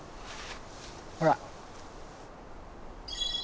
ほら。